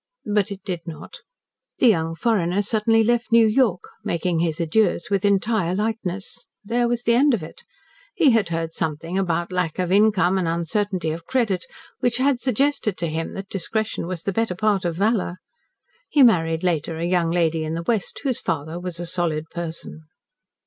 But it did not. The young foreigner suddenly left New York, making his adieus with entire lightness. There was the end of it. He had heard something about lack of income and uncertainty of credit, which had suggested to him that discretion was the better part of valour. He married later a young lady in the West, whose father was a solid person.